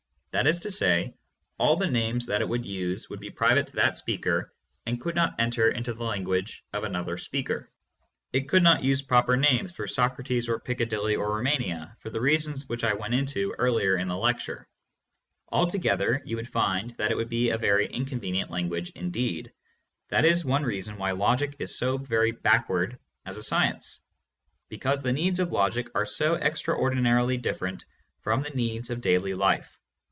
That is to say, all the names that it would use would be private to that speaker and could not enter into the language of another speaker. It could not use proper names for Socrates or Piccadilly or Ru mania for the reasons which I went into earlier in the lee THE PHILOSOPHY OF LOGICAL ATOMISM. 521 ture. Altogether you would find that it would be a very inconvenient language indeed. That is one reason why logic is so very backward as a science, because the needs of logic are so extraordinarily different from the needs of daily life.